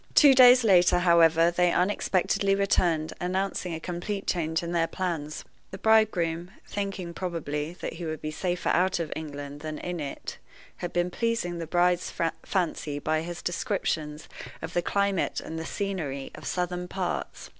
Two days later, however, they unexpectedly returned, announcing a complete change in their plans. The bridegroom (thinking, probably, that he would be safer out of England than in it) had been pleasing the bride's fancy by his descriptions of the climate and the scenery of southern parts.